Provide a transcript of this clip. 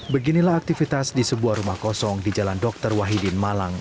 beginilah aktivitas di sebuah rumah kosong di jalan dr wahidin malang